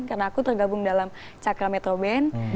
karena aku tergabung dalam cakra metroband